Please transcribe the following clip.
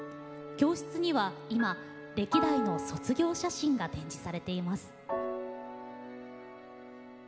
教室には今歴代の卒業写真が展示されています。